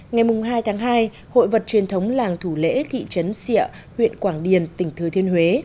ngày hai tháng hai hội vật truyền thống làng thủ lễ thị trấn xịa huyện quảng điền tỉnh thừa thiên huế